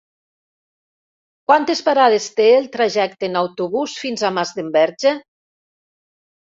Quantes parades té el trajecte en autobús fins a Masdenverge?